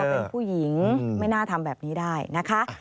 เป็นผู้หญิงไม่น่าทำแบบนี้ได้นะคะ